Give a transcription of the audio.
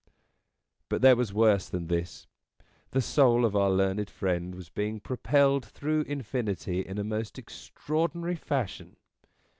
But there was worse than this. The soul of our learned friend was being propelled through infinity in a most extraordinary fashion.